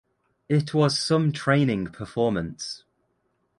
It was some training performance.